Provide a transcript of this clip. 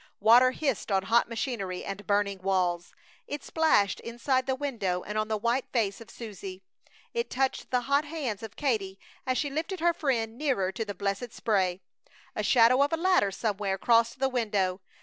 Water hissed on hot machinery and burning walls. It splashed inside the window and on the white face of Susie. It touched the hot hands of Katie as she lifted her friend nearer to the blessed spray. A shadow of a ladder somewhere crossed the window.